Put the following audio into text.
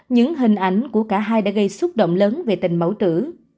những hình ảnh của cả hai đã gây xúc động lớn về tình mẫu tử